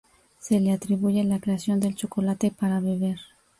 Se le atribuye la creación del chocolate para beber.